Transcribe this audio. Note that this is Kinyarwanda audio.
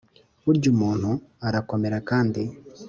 burya umuntu arakomera kandi